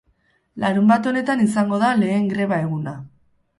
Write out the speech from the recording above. Larunbat honetan izango da lehen greba eguna.